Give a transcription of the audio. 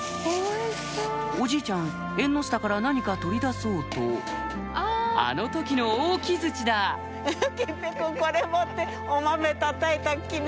おじいちゃん縁の下から何か取り出そうとあの時の大木づちだ桔平君。